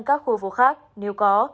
các khu phố khác nếu có